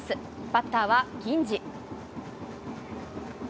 バッターは銀次。